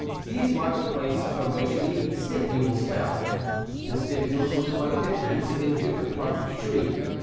These marked the place from which the stipules fell. The stipules look quite different in different parts of the tree.